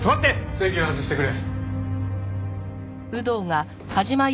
席を外してくれ。